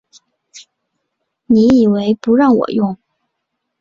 你以为不让我用